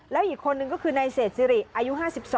แล้วอีกคนนึงก็คือนายเศษสิริอายุ๕๒